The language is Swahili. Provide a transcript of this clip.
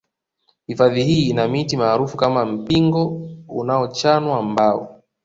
Hifadhi hii ina miti maarufu kama mpingo unaochanwa mbao